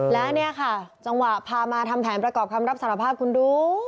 แล้วเนี่ยค่ะจังหวะพามาทำแผนประกอบคำรับสารภาพคุณดู